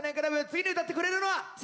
次に歌ってくれるのは？